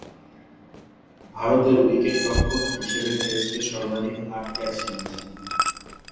ভারতের উইকেট-রক্ষক হিসেবে টেস্টে সর্বাধিক আট ক্যাচ নিয়েছেন।